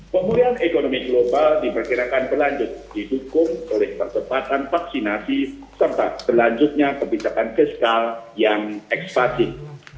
pemulihan ekonomi global diperkirakan berlanjut didukung oleh percepatan vaksinasi serta berlanjutnya kebijakan fiskal yang ekspansif